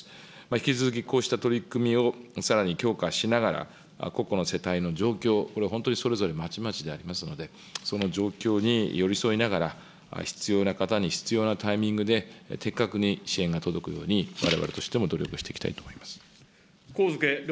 引き続きこうした取り組みをさらに強化しながら、個々の世帯の状況、これ、本当にそれぞれまちまちでありますので、その状況に寄り添いながら、必要な方に必要なタイミングで、的確に支援が届くように、われわれとしても努力をしていきたいと思います。